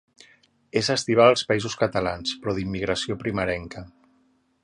És estival als Països Catalans, però d'immigració primerenca.